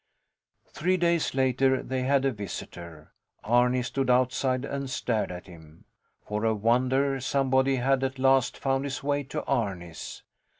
Three days later they had a visitor. Arni stood outside and stared at him. For a wonder, somebody had at last found his way to Arni's.